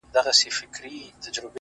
دا څو شپې کيږي په خوب هره شپه موسی وينم-